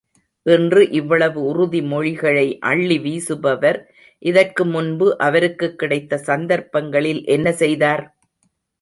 இன்று இவ்வளவு உறுதி மொழிகளை அள்ளி வீசுபவர் இதற்கு முன்பு அவருக்குக் கிடைத்த சந்தர்ப்பங்களில் என்ன செய்தார்?